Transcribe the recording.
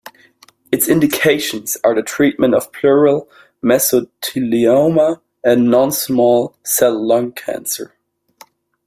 Its indications are the treatment of pleural mesothelioma and non-small cell lung cancer.